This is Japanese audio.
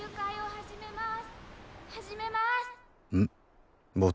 始めます。